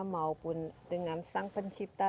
maupun dengan sang pencipta